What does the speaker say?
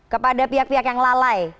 kepada pihak pihak yang lalai